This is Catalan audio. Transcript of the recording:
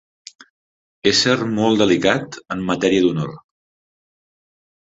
Ésser molt delicat en matèria d'honor.